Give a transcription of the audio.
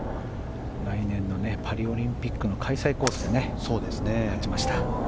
来年のパリオリンピックの開催コースで勝ちました。